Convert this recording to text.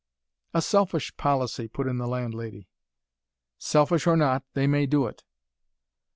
"A selfish policy," put in the landlady. "Selfish or not, they may do it."